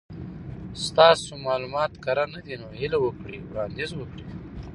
ستاسو مالومات کره ندي نو هیله وکړئ وړاندیز وکړئ